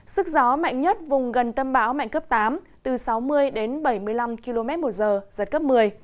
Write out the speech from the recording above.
sức gió mạnh nhất vùng gần tâm bão mạnh cấp tám từ sáu mươi đến bảy mươi năm km một giờ giật cấp một mươi